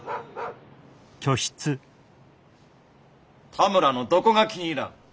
多村のどこが気に入らん？